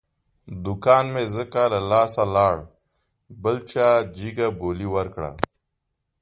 دوکان مې ځکه له لاسه لاړ، بل چا جگه بولۍ ور کړه.